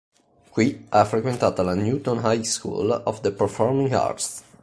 Qui ha frequentato alla Newtown High School of the Performing Arts.